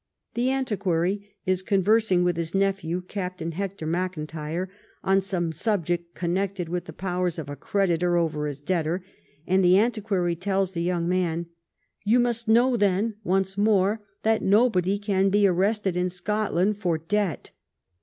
" The An tiquary " is conversing with his nephew, Captain Hector Mclntyre, on some subject connected with the powers of a creditor over his debtor, and the Anti quary tells the young man :" You must know then once more, that nobody can be arrested in Scotland for debt."